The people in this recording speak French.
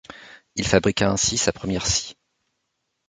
Il fabriqua ainsi sa première scie.